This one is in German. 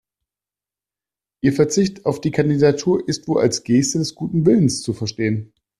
Ihr Verzicht auf die Kandidatur ist wohl als Geste des guten Willens zu verstehen.